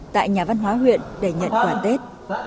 tại nhà văn hóa huyện để nhận quà tết